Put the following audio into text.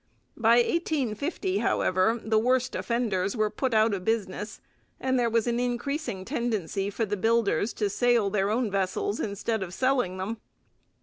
By 1850, however, the worst offenders were put out of business, and there was an increasing tendency for the builders to sail their own vessels instead of selling them.